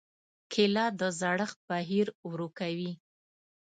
کېله د زړښت بهیر ورو کوي.